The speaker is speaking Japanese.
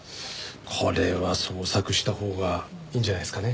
これは捜索したほうがいいんじゃないですかね。